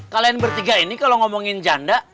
kalian bertiga ini kalau ngomongin janda